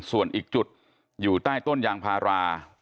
ส่วนอีกจุดอยู่ใต้ต้นยางพารา